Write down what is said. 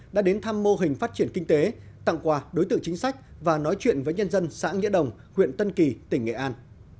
đã đến thăm mô hình phát triển kinh tế tặng quà đối tượng chính sách và nói chuyện với nhân dân xã nghĩa đồng huyện tân kỳ tỉnh nghệ an